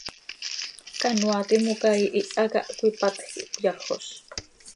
Canoaa timoca ihiha cah cöipatj quih cöyajoz.